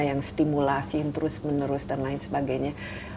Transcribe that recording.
yang stimulasi yang terus menerus dan lain sebagainya